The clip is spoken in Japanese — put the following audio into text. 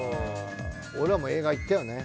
俺らも映画行ったよね。